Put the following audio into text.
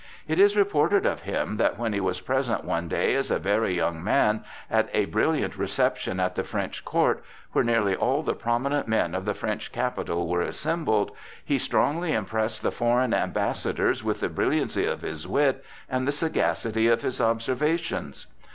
It is reported of him that when he was present one day as a very young man at a brilliant reception at the French court, where nearly all the prominent men of the French capital were assembled, he strongly impressed the foreign ambassadors with the brilliancy of his wit and the sagacity of his observations.